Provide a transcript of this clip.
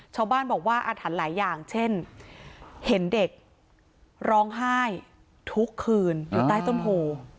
ชาวบ้านบอกว่าอาถรรพ์หลายอย่างเช่นเห็นเด็กร้องไห้ทุกคืนอยู่ใต้ต้นโพ